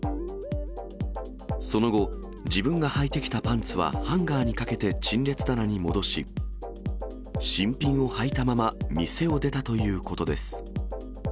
その後、自分がはいてきたパンツはハンガーにかけて陳列棚に戻し、新品をはいたまま店を出たということです。